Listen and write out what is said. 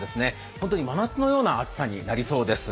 本当に真夏のような暑さになりそうです。